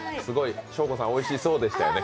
ショーゴさん、おいしそうでしたよね。